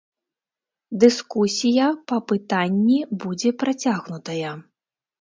Дыскусія па пытанні будзе працягнутая.